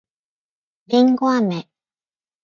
りんごあめ